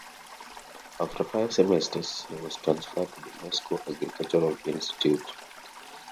After five semesters he was transferred to the Moscow Agricultural Institute.